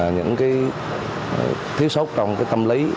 những cái thiếu sốc trong cái tâm lý